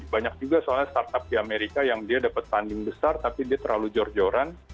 banyak juga soalnya startup di amerika yang dia dapat tanding besar tapi dia terlalu jor joran